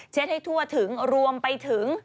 ให้ทั่วถึงรวมไปถึง